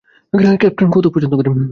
Captain, কৌতুক পছন্দ করেন?